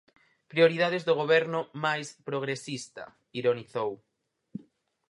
"Prioridades do Goberno máis progresista", ironizou.